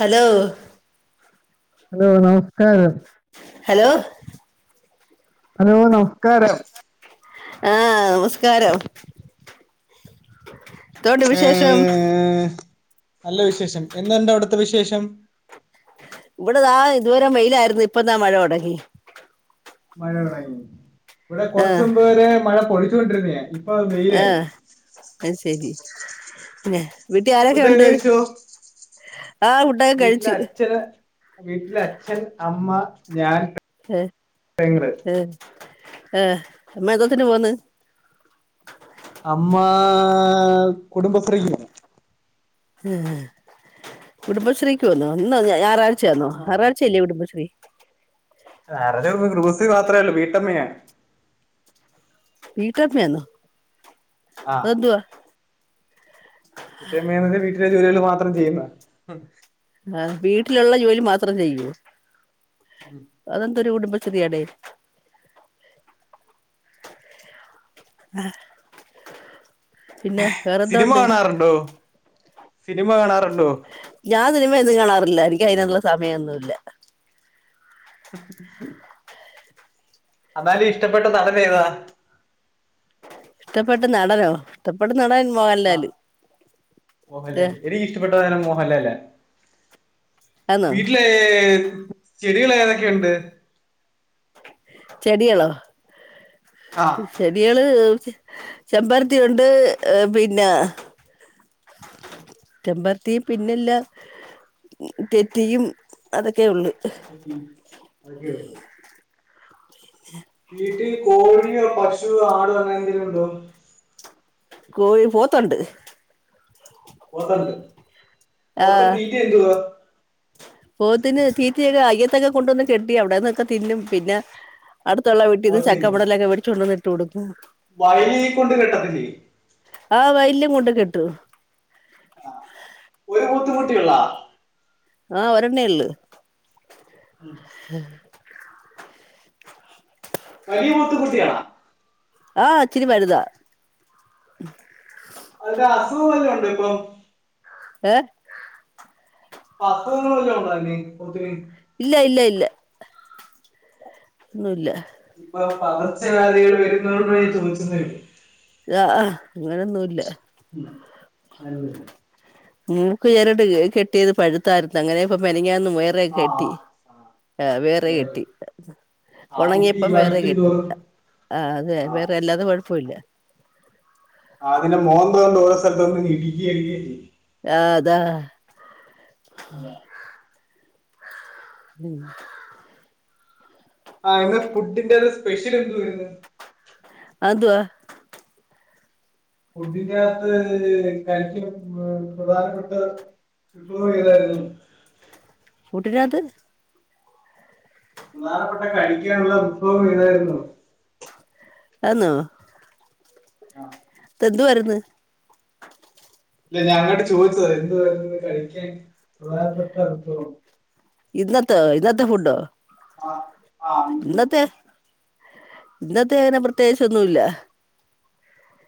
Hello hello നമസ്കാരം hello hello നമസ്കാരം ആഹ് നമസ്കാരം ന്തോണ്ട് വിശേഷം ങ് നല്ല വിശേഷം എന്തുണ്ട് അവിടുത്തെ വിശേഷം? ഇവിടതാ ഇതുവരെം വെയിലായിരുന്നു ഇപ്പതാ മഴ തൊടങ്ങി മഴ തൊടങ്ങി ഇവിടെ ആ കുറച്ച് മുമ്പ് വരെ മഴ പൊടിച്ചോണ്ടിരുന്നയ ആഹ് അത് ശരി പിന്നെ വീട്ടിലാരൊക്കെ ഫുഡൊക്കെ ഉണ്ട് കഴിച്ചോ ആഹ് ഫുഡോക്കെ കഴിച്ചു വീട്ടില് അച്ഛൻ അമ്മ ഞാൻ ഏഹ് പെങ്ങള് ആഹ് ഏഹ് അമ്മ എന്തോത്തിന് പോന്ന് അമ്മ കുടുംബശ്രീക്ക് പോകും ഉം കുടുബശ്രീക്ക് പോന്നോ ഇന്നോ ഞായറാഴ്ചയാന്നോ ഞാറാഴ്ചയല്ലേ കുടുംബശ്രീ [unintelligible] കുടുംബശ്രീ മാത്രേള്ളൂ വീട്ടമ്മയാ വീട്ടമ്മയാന്നൊ ആ അതെന്തുവാ വീട്ടമ്മേന്ന് പറഞ്ഞാ വീട്ടിലെ ജോലികൾ മാത്രം ചെയ്യുന്ന ആഹ് വീട്ടിലുള്ള ജോലി മാത്രം ചെയ്യുവോ ഉം അതെന്തൊരു കുടുംബശ്രീയാടേ ആഹ് സിനിമ വേറെന്തോണ്ട് കാണാറുണ്ടോ സിനിമ കാണാറുണ്ടോ ഞാൻ സിനിമയൊന്നും കാണാറില്ല എനിക്ക് അയിനൊള്ള സമയൊന്നുല്ല [inaudible] അന്നാലും ഇഷ്ടപ്പെട്ട നടനേതാ ഇഷ്ടപ്പെട്ട നടനോ ഇഷ്ടപ്പെട്ട നടൻ ആ മോഹൻലാല് ഇഷ്ടപ്പെട്ടതാരാ മോഹൻലാലാ ആന്നോ വീട്ടിലേ ചെടികൾ ഏതൊക്കെയൊണ്ട് ചെടികളോ ആ ചെടികള് ചെമ്പരത്തി ഉണ്ട് പിന്ന ചെമ്പരത്തി പിന്നില്ല തെറ്റിയും അതൊക്കെ ഉള്ള് ഉം അതൊക്കെ ഉള്ളോ വീട്ടിൽ കോഴിയോ പശുവോ ആടോ അങ്ങനെന്തേങ്കിലും ഉണ്ടോ കോഴി പോത്തണ്ട് പോത്തണ്ട് ആ പോത്തിന് തീറ്റി എന്തുവ പോത്തിന് തീറ്റയൊക്കെ അയ്യത്തൊക്കെ കൊണ്ടുവന്ന് കെട്ടി അവടെന്നൊക്കെ തിന്നും പിന്നെ അടുത്തുള്ള വീട്ടിന്ന് ചക്കമടലൊക്കെ മേടിച്ചുണ്ടന്ന് ഇട്ട് കൊടുക്കും വയലി കൊണ്ട് കെട്ടത്തില്ലേ ആഹ് വയലിലും കൊണ്ട് കെട്ടും ആഹ് ഒരു പോത്ത്‌കുട്ടിയുള്ളാ ആഹ് ഒരെണ്ണെ ഉള്ള് ഉം എഹ് വലിയ പോത്ത് കുട്ടിയാണ ആഹ് ഇച്ചിരി വലുതാ വല്ല അസുഖം വല്ലോം ഒണ്ടോ ഇപ്പം ഏഹ് അസുഖങ്ങൾ വല്ല ഉണ്ടയിന് പോത്തിന് ഇല്ല ഇല്ല ഇല്ല ഒന്നുല്ല ഇപ്പൊ പകർച്ചവ്യാധികൾ വരുന്നതോണ്ട് ഞാൻ ചോദിച്ചന്നെ ഉള്ള് ആഹ് അഹ് അങ്ങനൊന്നുല്ല [unintelligible] മൂക്ക് ചരട് കെട്ടിയത് പഴുത്തായിരുന്ന് അങ്ങനെ ഇപ്പ മെനഞ്ഞാന്ന് പോയ വേറെ കെട്ടി ആഹ് ആഹ് വേറെ കെട്ടി അതിപ്പോ ഈ ഉണങ്ങിയപ്പം വേറെ വലിക്കും കെട്ടി തോറും ആഹ് അത ആഹ് വേറെ അല്ലാതെ കുഴപ്പമില്ല ആഹ് അതിന്റെ മോന്ത കൊണ്ട് ഓരോ സ്ഥലത്തും ഒന്ന് ഇടിക്കുകയ [unintelligible] ആഹ് താ അതെ ഉം ആഹ് ഫുഡിന്റെ അത് സ്പെഷ്യൽ എന്തര്ന്ന് അന്തുവ ഫുഡിനകത്ത് കഴിക്കും പ്രധാനപ്പെട്ട [unintelligible] തായിരുന്നു ഫുഡിനകത്ത് പ്രധാനപ്പെട്ട കഴിക്കാനുള്ള വിഭവം ഏതായിരുന്നു അന്നോ ആഹ് തെന്തുവരുന്ന് ഇല്ല ഞാൻ നാണ്ട് ചോദിച്ചത് എന്തു വരുന്നത് കഴിക്കാൻ പ്രധാനപ്പെട്ട അനുഭവം ഇന്നതൊ ഇന്നത്തെ ഫുഡോ ആഹ് ആഹ് ഇന്നത്തെ ഇന്നത്തെ അങ്ങനെ പ്രത്യേകിച്ചൊന്നുല്ല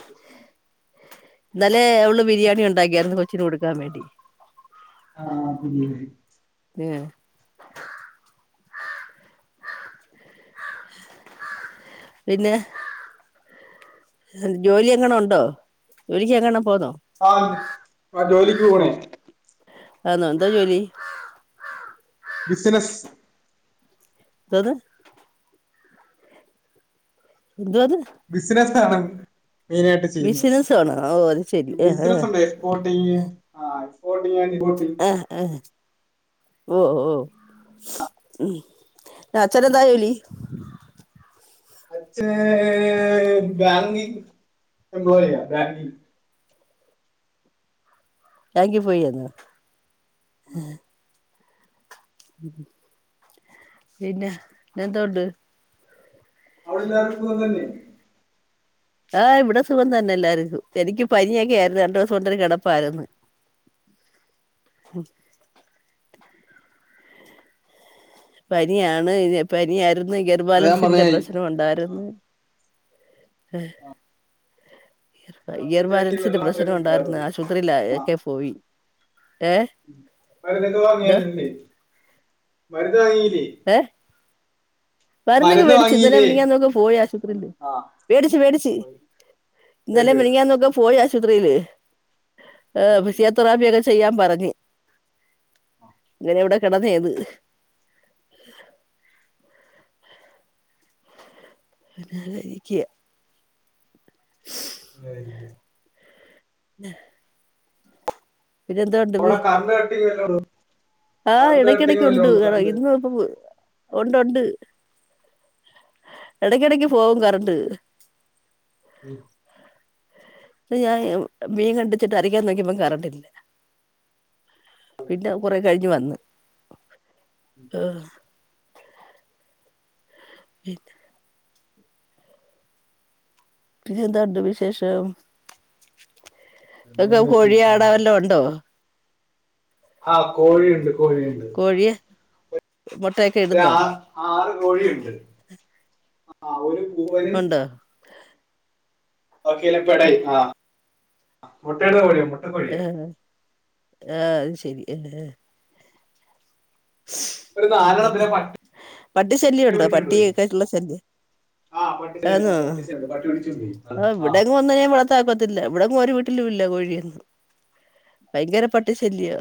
[unintelligible] നല്ലെ അവള് ബിരിയാണി ഉണ്ടാക്കിയായിരുന്നു കൊച്ചിന് കൊടുക്കാൻ വേണ്ടി ആഹ് ശരി പിന്നെ പിന്നെ ജോലി എങ്ങണ ഉണ്ടോ ജോലിക്ക് എങ്ങണോ പോന്നോ ആഹ് ജോലിക്ക് പോണേ ആന്നോ എന്താ ജോലി ബിസിനസ് ൻതോന്ന് ഇന്തോന്ന് ബിസിനസ് ത്താണ് മെയിനായിട്ട് ചെയ്യുന്നത് ബിസിനസ് ആണോ ഓ അത് ശരി ആഹ് ആഹ് ബിസിനസ്ണ്ട് എക്സ്പോട്ടിങ്ങ് ആഹ് പോട്ടിങാ നിമോട്ടി ആഹ് ആഹ് ഓ ഓ ഉം അച്ചന് എന്താ ജോലി അച്ഛാൻ ബാങ്കിങ് ബോയ ബാങ്കിങ് ബാങ്കി പോയിന്നോ പിന്നെ ഞ്ഞന്തോണ്ട് അവിടെ എല്ലാർക്കും സുഖതന്നെ ആഹ് ഇവിടെ സുഖം തന്നെ എല്ലാര്ക്കും എനിക്ക് പനിയൊക്കെ ആയിരുന്നു രണ്ടോസണ്ട് കിടപ്പായിരുന്ന് പനിയാണ് ഇ പനിയാരുന്നു അത് ഞാൻ പറഞ്ഞ ഗർബാലൻസിന്റെ പ്രശ്നംണ്ടായിരുന്ന് ഹെ കാപ്പി ചായക്ക് ഇയർബാലൻസിന്റെ വെള്ളം മാത്രമേ പ്രശ്നം ഉണ്ടായിരുന്നു കുടിക്കാറുള്ളൂ ആശുപത്രില ഒക്കെ പോയി ഏഹ് മരുന്നൊക്കെ എന്തോ വാങ്ങിയാര്ണ്ടേ മരുന്ന് വാങ്ങീല്ലേ ഏ വരുന്നൊക്കെ മരുന്ന് വേടിച്ച് വാങ്ങീല്ലേ ഇന്നലെമിനിയാന്നോക്കെ പോയി ആശുപത്രില് ആ വേടിച്ച് വേടിച്ച് മേടിച്ചു ഇന്നലെമിനിയാന്നെകം പോയി ആശുപത്രില് ഏഹ് പിസിയോ മേടിച്ചു തറാപ്യയൊക്കെ ചെയ്യാൻ പറഞ്ഞ് ഇങ്ങനെ ഇവിടെ കിടന്നേന്ന് അനാനഴിക്യ ആയിരിക്കും നെ പിന്നെന്തോണ്ട്? അവിടെ കറണ്ട് കട്ടില്ലല്ലോന്ന്? ആഹ്, ഇടക്കിടക്ക് ഉണ്ട്. ആ ഇന്ന് ഇപ്പം ഒണ്ട് ഒണ്ട് എടക്കിടക്ക് പോവും കറണ്ട്. [unintelligible] [unintelligible] മീൻ കണ്ടിച്ചിട്ട് അരക്കാൻ നോക്കിയപ്പം കറണ്ടില്ല. പിന്നെ അഉം കൊറെ കഴിഞ് വന്ന് ഉം ആഹ് പിന്നെ പിന്നെ എന്താണ്ട് വിശേഷം, ഇങ്ങക്ക് പിന്നെന്താ വിശേഷം കോഴിയാട വല്ലോം ഉണ്ടോ? ആഹ്, കോഴിയുണ്ട് കോഴിയുണ്ട്. ഒഴിയേ മൊട്ടേ ഒര് ആ ആറ് കോഴീണ്ട്. ആഹ്, ഒരു പൂവന് ഒണ്ടൊ? ഓകെലെ പെടേയ് ആ മുട്ടട്ണ കോഴി [unintelligible] [unintelligible] എ [unintelligible] ആഹ് അഹ് ശരി [unintelligible] ഒരു [unintelligible] പിന്നെ, നാലെണ്ണത്തിനെ പട്ടി പട്ടി ശല്യ ഉണ്ടൊ? പിടിച്ചോണ്ട് പോയി പട്ടിയൊക്കെ ആയിട്ട്ള്ള ശല്യം ആ പട്ടി ആ, ആന്നോ, പട്ടിച്ചെണ്ട്, പട്ടി പിടിച്ചോണ്ട് പോയി ആ ഇവിടെ അങ് വന്ന് [unintelligible] ത്താക്കൊത്തില്ല. ഇവിടങ്ങും ഒരു വീട്ടിലും ഇല്ല കോഴിയൊന്നു, ഭയങ്കര പട്ടി ശല്ല്യാ.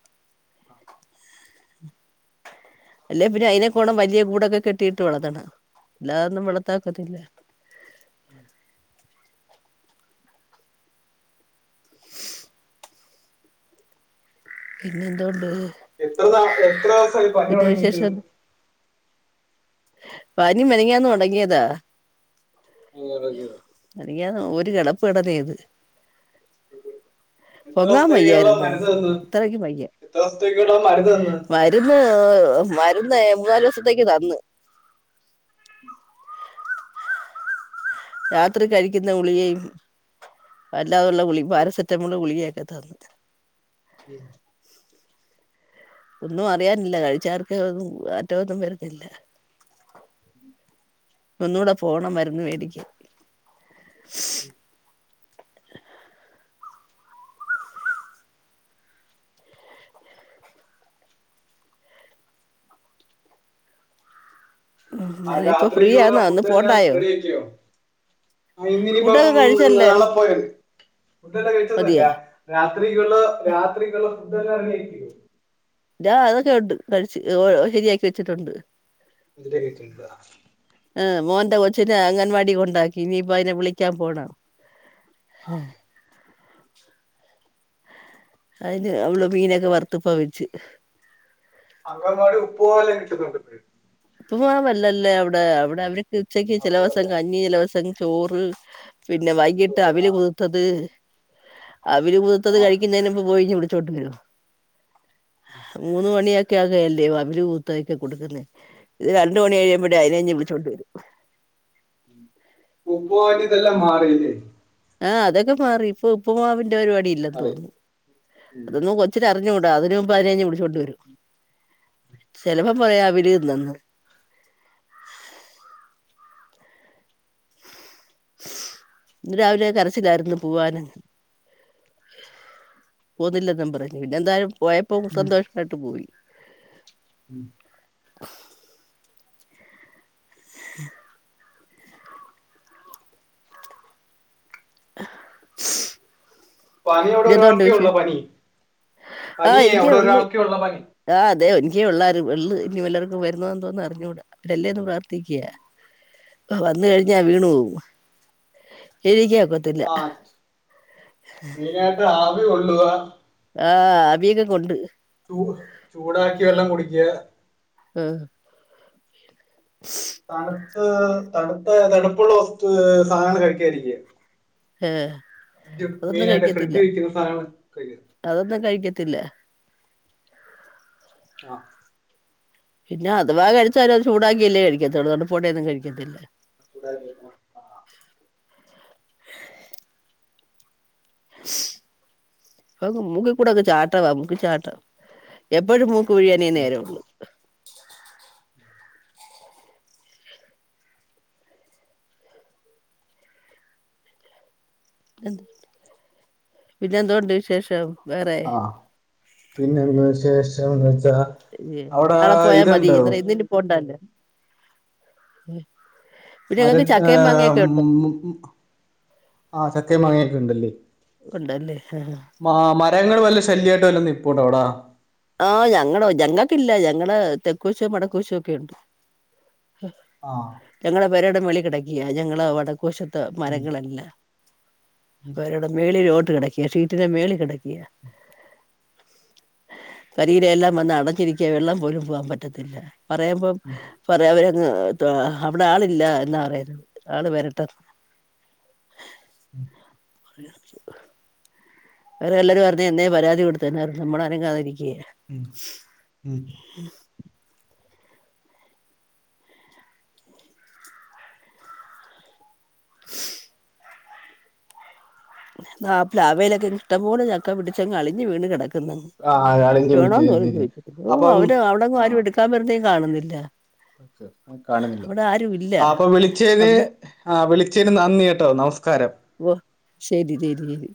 [unintelligible] [inaudible] അല്ലെ പിന്നെ അയിനെക്കൊണം വല്ല്യ കൂടൊക്കെ കെട്ടിയിട്ട് വളത്തണം. എല്ലാ ഒന്നും വളത്താ ഒക്കത്തില്ല. [unintelligible] പിന്നെന്തോണ്ട്? എത്ര സാ എത്ര ദവസായി പനി തുടങ്ങിയിട്ട്? വിശേഷം പനി മിനിയാന്ന് തൊടങ്ങിയതാ. [unintelligible] മിനിയാന്ന് ഒരു കിടപ്പ് കടന്നെന് [unintelligible] എത്ര പൊങ്ങാൻ ദിവസത്തെക്കുള്ള വയ്യായിരുന്നങ്ങ് മരുന്ന് തന്ന്? അത്രയ്ക്കും എത്ര ദിവസത്തെക്കുള്ള മരുന്ന് തന്ന്? രുന്ന് മരുന്ന് മൂന്നാല് ദിവസത്തേക്ക് തന്ന്. രാത്രി കഴിക്കുന്ന ഗുളിയെയും വല്ലാതെയുള്ള ഗുളി പാരസെറ്റമോള് ഗുളിയെയും ഒക്കെ തന്ന്. [unintelligible] ഒന്നും അറിയാനില്ല. കഴിച്ചാർക്ക് ഒന്നും ആറ്റ ഒന്നും വരുന്നില്ല. ഒന്നൂടെ പോണം മരുന്ന് മേടിക്കാൻ. [unintelligible] ആ ഞാന് ഇപ്പൊ ഫ്രീ രാത്രിയെക്കുള്ള ആന്നോ ഒന്ന് ഫുഡെല്ലാം പോണ്ടായോ റെഡിയാക്കിയോ? ആ ഇന്നിനിപ്പം ഫുഡൊക്കെ കഴിച്ചല്ലേ നാളെ പോയാതി. ഫുഡല്ലാം കഴിച്ചതല്ല. മതിയോ രാത്രികള് രാത്രികള് ഫുഡ് എല്ലാം [unintelligible] രാ അതൊക്കെ ഉണ്ട്. കഴിച്ച് [unintelligible] ശരിയാക്കി വെച്ചിട്ടുണ്ട്. ഇന്റെ കിച്ചൺക്ക് വാ ആഹ്, മോന്റെ കൊച്ചിനെ അങ്ങൻവാടി കൊണ്ടാക്കി ഇനിയിപ്പ അതിനെ വിളിക്കാൻ പോണം. [unintelligible] അയിന് അവള് മീനൊക്കെ വറുത്ത് ഇപ്പ വെച്ച്. അംഗൻവാടി ഉപ്പ് മാവ് [unintelligible] ഉപ്പുമാവ് നല്ലല്ലേ അവ്ടെ, അവിടെ അവരൊക്കെ ഉച്ചക്ക് അപ്പൊ ചിലവസം അല്ലേ കഞ്ഞി ചിലവസം ചോറ് പിന്നെ വൈകിട്ട് ചോറ് അവില് ആ ത്തത്, അവില് കുതിർത്തത് ആ കഴിക്കുന്നതിന് മുമ്പേ പോയിഞ് വിളിച്ചോണ്ട് വരും. മൂന്ന് മണിയക്കെ ആകയല്ലേ, വവില് കുർത്ത ഒക്കെ കൊടുക്ക്ന്നേ. ഇനി രണ്ട് മണി കഴുമ്പോടെ അതിനഞ് വിളിച്ചൊണ്ട് വരും. ഉപ്പ് മാവിന്റെ ഇതെല്ലാം മാറിയില്ലേ? ആഹ അതൊക്കെ മാറി. ഇപ്പൊ ഉപ്പമാവിന്റെ പരിപാടി ഇല്ലെന്ന് മാറി തോന്നുന്നു. ഉം. അതൊന്നും കൊ ഇച്ചത് അറിഞ്ഞുകൂടാ, അതിനുമ് പതിനഞ്ഞ് പിടിച്ചോണ്ട വരും. ചിലപ്പം പറയാ വില്ന്നന്ന് ന്ന് രാവിലെ കരച്ചിലായിരുന്നു പോവാന് പോന്നില്ലന്നും പറഞ്ഞു. പിന്നെ ന്തായാലും പോയപ്പോ ഉം. സന്തോഷായിട്ട് പോയി. [inaudible] [inaudible] [unintelligible] പനി അവിടെ പിന്നെ എന്തോണ്ട് ഒരാൾക്കേ വിശേ ഉള്ളോ പനി ആഹ് പനിയേ എനിക്കേ അവിടെ ഒള്ള് ഒരാൾക്കേ ഉള്ളോ പനി? ആഹ് അതെ എനക്കെള്ളാരുന്നു ഉള് ഇനി വല്ലാവർക്കും വരുന്നോന്ന് അറിഞ്ഞുകൂടാ. വരല്ലേന്ന് പ്രാർത്ഥിക്കിയാ. വന്ന് കഴിഞ്ഞാ വീണു പോവും എണിക്ക പറ്റ ആ മെയിനായിട്ട് ആവി കൊള്ളുക. ആഹ് ആവിയൊക്കെ കൊണ്ട്. ചൂ ചൂടാക്കിയ വെള്ളം കുടിക്ക ആഹ് [unintelligible] തണുത്ത തണുത്ത തണുപ്പുള്ള വസ്തു സാധനം കഴിക്കായിരിക്ക. ഹേ ഫ്രഡ്ജ് മെയിനായിട്ട് ഫ്രിഡ്ജ് വെക്കുന്ന സധങ്ങൾ കഴിയ അതൊന്നും കഴിക്കത്തില്ല. ആഹ് പിന്നെ അതവാ കഴിച്ചാലും അത് ചൂടാക്കിയല്ലേ കഴിക്കതൊള്ളൂ. തണുപ്പോടെന്നും കഴിക്കത്തില്ല. [unintelligible] മുക്ക്‌കൂട ക്കെ ചാട്ടവാ മൂക്ക് ചാട്ടം. എപ്പഴും മൂക്ക് കുഴിയാനെ നേരോള്ളൂ പിന്നെ എന്തൊണ്ട് വിശേഷം വേറെ ആഹ് പിന്നെ എന്തു വിശേഷം ന്ന് വെച്ച നളെ പോയാൽ മതി എന്നരം ഇന്ന് ഇനി പോകണ്ടല്ല പിന്നെ നിങ്ങക്ക് മരത് ചക്കയും ആഹ് മാങ്ങയൊക്കെ മ് ഉണ്ടോ മ് മ് ആഹ് ചക്കേ മാങ്ങേക്കൊണ്ട് ഒണ്ടല്ലേ ആഹ് ആഹ് മാ മരങ്ങള് വല്യ ശല്യായിട്ട് നിപ്പോണ്ട് അവിടാ ആഹ് ഞങ്ങളോ ഞങ്ങക്കില്ല ഞങ്ങള് തെക്കുവശോ വടക്കൂവശോക്കെ ഒണ്ട് ആഹ് ആഹ് ഞങ്ങട പേരെടം മേളി കിടക്കിയ ഞങ്ങള് വടക്കൂവശത്ത് ഉം മരങ്ങളെല്ലാം ഉം മേളിലോട്ട് കിടക്കിയാ ഷീറ്റിന്റ് മേളി കിടക്കിയ കരിയില എല്ലാം വന്ന് അടഞ്ഞിരിക്കാ വെള്ളം പോലും പോവാൻ പറ്റത്തില്ല പറയുമ്പം ഉം പറയാ അവരങ്ങ് ത്തോ അവിടെ ആളില്ല എന്നാ പറയുന്നത് ആള് വരട്ടെന്ന് [inaudible] [unintelligible] വേറെ വലോരും പറഞു എന്നേ പരാതി കൊടുത്തെന്നാരുന്നു നമ്മളാരേം കാതിരിക്കേ ഉം ഉം ആ പ്ലാവേലൊക്കെ ഇഷ്ടം പോലെ ചക്ക പിടിച്ചങ് അളിഞ് വീണ് കിടക് ആ അയാളെന്നെ വേണോന്ന് വിളിച്ചത് പോലും ശരിയാ ചോദിച്ചിട്ടില്ല ഓഹ് അപ്പം അവര് അവിടെങ്ങും ആരും എടുക്കാൻ വരുന്നേം കാണുന്നില്ല ഓക്കെ കാണുന്നില്ലെ അവിടെ ആരും ഇല്ല ആഹ് അപ്പ വിളിച്ചത് അവിടെ ആഹ് വിളിച്ചതിന് നന്ദി കേട്ടോ നമസ്കാരം ഉവ്വ് ശരി ശരി ശരി